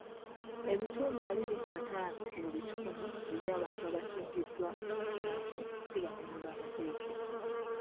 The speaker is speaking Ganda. Ebitundu abiri mu bitaano ku buli kikumi eby'abantu abasingisiddwa emisango si bamenyi b'amateeka.